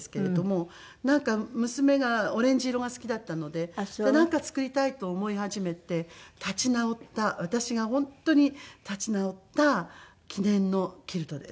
なんか娘がオレンジ色が好きだったのでなんか作りたいと思い始めて立ち直った私が本当に立ち直った記念のキルトです。